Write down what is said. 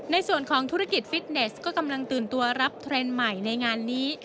ในส่วนของธุรกิจฟิตเนสก็กำลังตื่นตัวรับเทรนด์ใหม่ในงานนี้